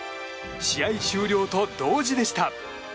試合終了と同時でした。